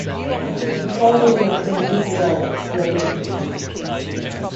He currently lives in Ljubljana, Slovenia.